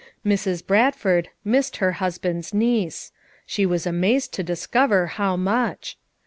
Mrs. Bradford missed her husband's niece; she was amazed to discover how much.